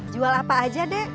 jual apa aja dek